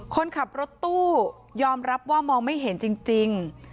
คนขับรถตู้ยอมรับว่ามองไม่เห็นจริง